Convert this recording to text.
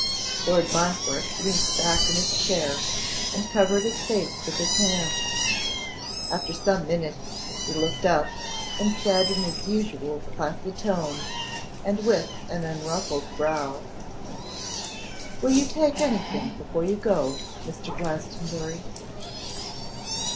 Lord Montfort leant back in his chair, and covered his face with his hands. After some minutes he looked up, and said in his usual placid tone, and with an' unruffled brow, 'Will you take anything before you go, Mr. Glastonbury?